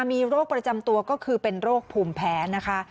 มีโรคประจำตัวก็คือเป็นโรคภูมิแพ้นะคะ